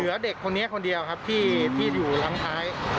เด็กคนนี้คนเดียวครับที่อยู่หลังท้าย